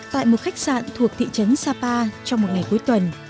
tại một khách sạn thuộc thị trấn sapa trong một ngày cuối tuần